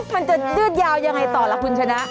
มันจะยืดยาวยังไงต่อล่ะคุณชนะ